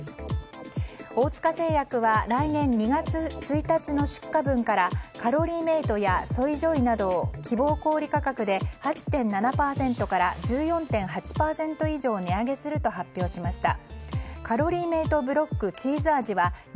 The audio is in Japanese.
大塚製薬は来年２月１日の出荷分からカロリーメイトやＳＯＹＪＯＹなどを希望小売価格で８．７％から１４．８％以上値上げすると発表しました。